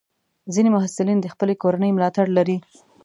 ځینې محصلین د خپلې کورنۍ ملاتړ لري.